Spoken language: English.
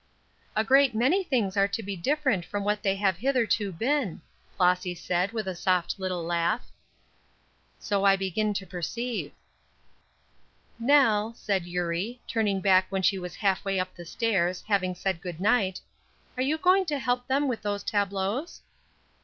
"A great many things are to be different from what they have hitherto been," Flossy said, with a soft little laugh. "So I begin to perceive." "Nell," said Eurie, turning back when she was half way up the stairs, having said good night, "are you going to help them with those tableaux?"